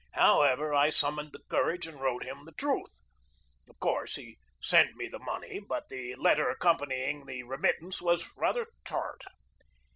How ever, I summoned the courage and wrote him the truth. Of course, he sent me the money, but the letter accompanying the remittance was rather tart.